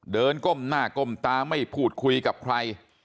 ก้มหน้าก้มตาไม่พูดคุยกับใคร